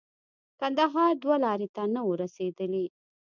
کندهار دوه لارې ته نه وو رسېدلي.